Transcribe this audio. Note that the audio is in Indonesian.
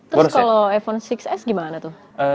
terus kalau iphone enam s gimana tuh